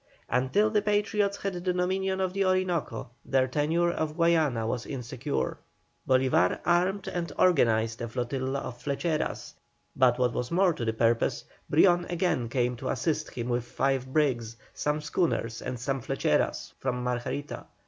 Until the Patriots had the dominion of the Orinoco their tenure of Guayana was insecure. Bolívar armed and organized a flotilla of flecheras, but what was more to the purpose, Brion again came to assist him with five brigs, some schooners and more flecheras from Margarita.